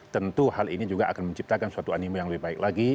tentu hal ini juga akan menciptakan suatu animo yang lebih baik lagi